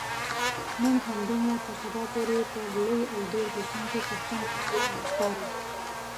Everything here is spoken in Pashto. نن همدومره تر سبا پورې پر لوی او ډېر بخښونکي څښتن تعالا مو سپارم.